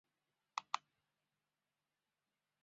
董瑀让她嫁给了同乡刘进超。